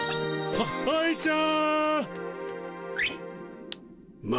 あっ愛ちゃん！